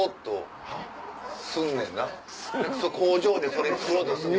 工場でそれ作ろうと。